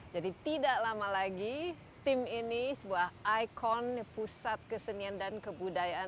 jadi tidak lama lagi tim ini sebuah ikon pusat kesenian dan kebudayaan